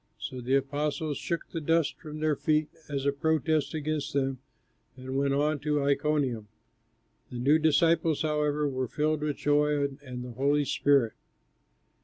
So the apostles shook the dust from their feet as a protest against them, and went on to Iconium. The new disciples, however, were filled with joy and the Holy Spirit.